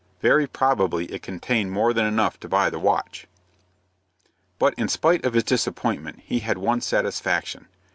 Very probably it contained more than enough to buy the watch. But, in spite of his disappointment, he had one satisfaction.